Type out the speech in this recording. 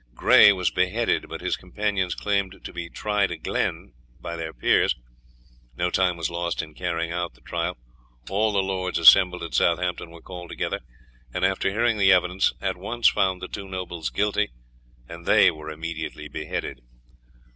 Grey was beheaded, but his companions claimed to be tried again by their peers. No time was lost in carrying out the trial; all the lords assembled at Southampton were called together, and, after hearing the evidence, at once found the two nobles guilty, and they were immediately beheaded.